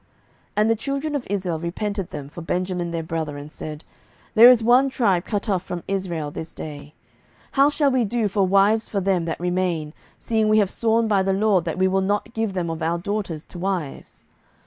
07:021:006 And the children of Israel repented them for Benjamin their brother, and said, There is one tribe cut off from Israel this day. 07:021:007 How shall we do for wives for them that remain, seeing we have sworn by the LORD that we will not give them of our daughters to wives?